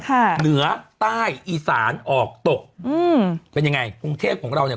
เหนือใต้อีสานออกตกอืมเป็นยังไงกรุงเทพของเราเนี่ย